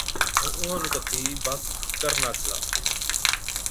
ائُون اُونهان نُون ڪتِي ڀاڪر ناکلا۔